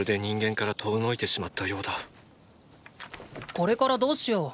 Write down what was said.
これからどうしよう？